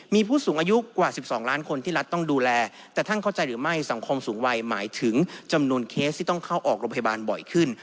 มีผู้สูงอายุกว่า๑๒ล้านคนที่รัฐต้องดูแลแต่ท่านเข้าใจหรือไม่สังคมสูงวัยหมายถึงจำนวนเคสที่ต้องเข้าออกโรงพยาบาลบ่อยขึ้น